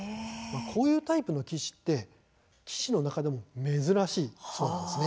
こういうタイプの棋士って棋士の中でも珍しいそうなんです。